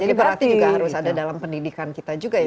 jadi berarti juga harus ada dalam pendidikan kita juga ya